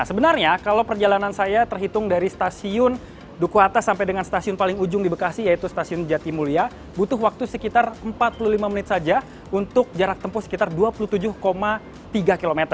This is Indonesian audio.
sebenarnya kalau perjalanan saya terhitung dari stasiun duku atas sampai dengan stasiun paling ujung di bekasi yaitu stasiun jatimulia butuh waktu sekitar empat puluh lima menit saja untuk jarak tempuh sekitar dua puluh tujuh tiga km